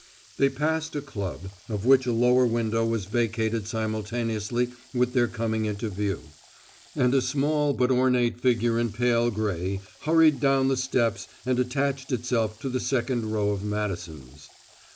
They passed a club, of which a lower window was vacated simultaneously with their coming into view; and a small but ornate figure in pale gray crash hurried down the steps and attached itself to the second row of Madisons.